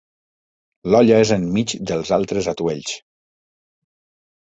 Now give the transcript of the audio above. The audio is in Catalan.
L'olla és enmig dels altres atuells.